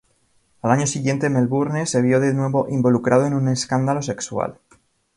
Al año siguiente, Melbourne se vio de nuevo involucrado en un escándalo sexual.